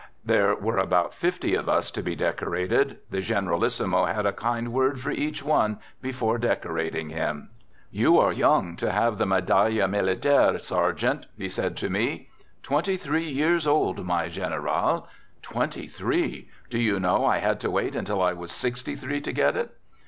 ... There were about fifty of us to be decorated. The generalissimo had a kind word for each one before decorating him: 66 "THE GOOD SOLDIER "You are young to have the medaille militaire, sergeant !" he said to me. —" Twenty three years old, my general." —" Twenty three? Do you know I had to wait until I was sixty three to get it